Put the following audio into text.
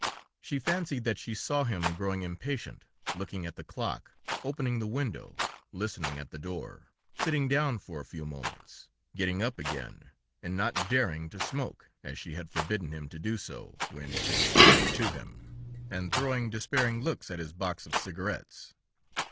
She fancied that she saw him growing impatient, looking at the clock, opening the window, listening at the door, sitting down for a few moments, getting up again, and not daring to smoke, as she had forbidden him to do so when she was coming to him, and throwing despairing looks at his box of cigarettes.